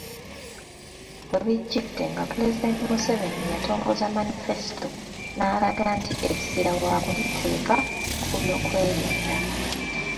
We bijjidde nga Pulezidenti Museveni yatongozza Manifesito n'alaga nti essira waakuliteeka ku by'okwerinda.